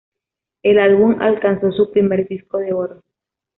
El álbum alcanzó su primer disco de oro.